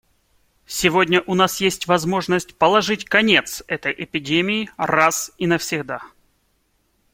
Сегодня у нас есть возможность положить конец этой эпидемии раз и навсегда.